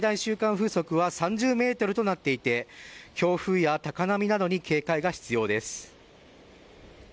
風速は３０メートルとなっていて、強風や高波などに警戒が必要です。